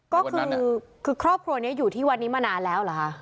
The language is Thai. ก็คือครอบครัวนี้อยู่ที่วัดนี้มานานแล้วเหรอคะ